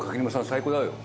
最高だよ